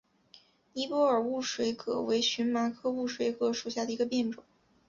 尼泊尔雾水葛为荨麻科雾水葛属下的一个变种。